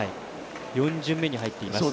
４巡目に入っています。